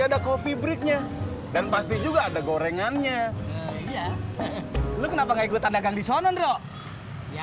ada coffee breaknya dan pasti juga ada gorengannya iya lu kenapa nggak ikutan dagang di sana ya